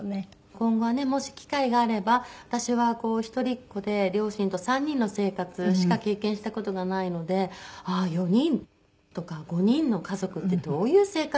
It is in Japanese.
今後はねもし機会があれば私は一人っ子で両親と３人の生活しか経験した事がないので４人とか５人の家族ってどういう生活なんだろうっていう。